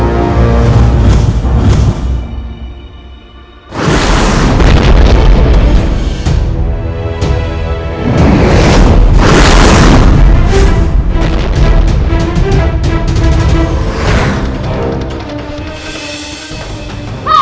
sebelum dendam ku terbalaskan